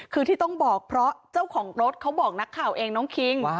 คือที่ต้องบอกเพราะเจ้าของรถเขาบอกนักข่าวเองน้องคิง